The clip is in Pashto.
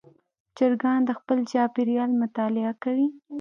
چرګان د خپل چاپېریال مطالعه کوي.